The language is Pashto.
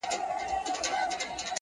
دلته ولور گټمه؛